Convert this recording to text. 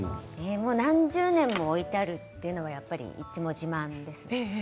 何十年も置いてあるというのが自慢ですね。